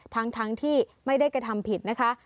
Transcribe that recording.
ทั้งที่ไม่ได้กระทำผิดนะคะ